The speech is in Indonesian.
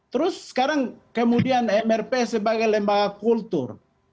terus sekarang kemudian mrp sebagai lembaga kultur